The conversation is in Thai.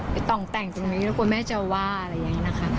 ต้องแต่งตรงนี้แล้วกลัวแม่จะว่าอะไรอย่างนี้นะคะ